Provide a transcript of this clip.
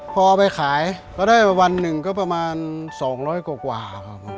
พอเอาไปขายก็ได้วันหนึ่งัน๒๐๐กว่า